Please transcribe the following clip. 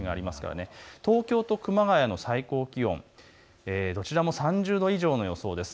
東京と熊谷の最高気温、どちらも３０度以上の予想です。